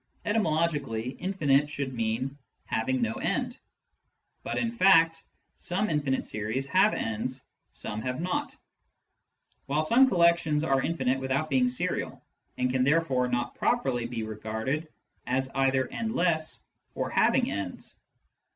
Etymologically, " infinite " should mean " having no end." But in fact some infinite series have ends, some have not ; while some collections are infinite without being serial, and can therefore not properly be regarded as either endless or having ends.